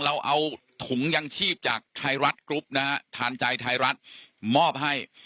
เราเอาถุงยังชีพจากไทยรัฐกรุ๊ปนะฮะทานใจไทยรัฐมอบให้